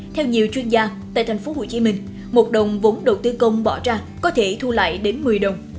theo nhiều chuyên gia tại tp hcm một đồng vốn đầu tư công bỏ ra có thể thu lại đến một mươi đồng